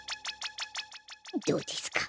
どうですか？